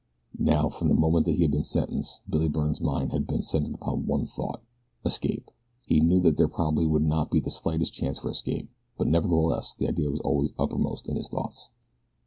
Now, from the moment that he had been sentenced Billy Byrne's mind had been centered upon one thought escape. He knew that there probably would be not the slightest chance for escape; but nevertheless the idea was always uppermost in his thoughts.